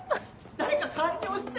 誰か代わりに押して！